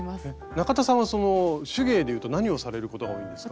中田さんはその手芸でいうと何をされることが多いんですか？